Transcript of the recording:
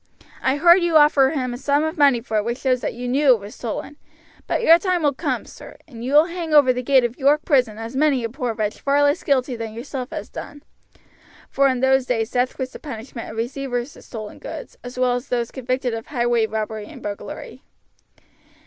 I heard you offer him a sum of money for it which shows that you knew it was stolen; but your time will come, sir, and you will hang over the gate of York prison as many a poor wretch far less guilty than yourself has done;" for in those days death was the punishment of receivers of stolen goods, as well as of these convicted of highway robbery and burglary.